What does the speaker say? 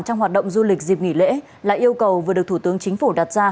trong hoạt động du lịch dịp nghỉ lễ là yêu cầu vừa được thủ tướng chính phủ đặt ra